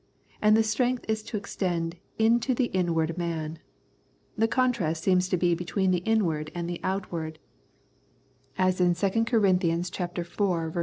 And the strength is to extend " into the inward man." The contrast seems to be between the inward and the outward, as in 116 Strength and Indwelling 2 Cor.